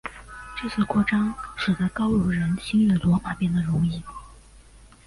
这次扩张使得高卢人侵略罗马变得容易。